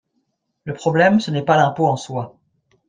Le problème, ce n’est pas l’impôt en soi.